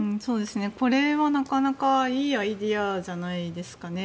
これはなかなかいいアイデアじゃないですかね。